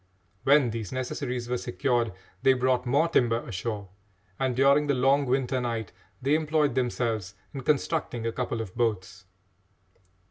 When these necessaries were secured, they brought more timber ashore, and, during the long winter night, they employed themselves in constructing a couple of boats.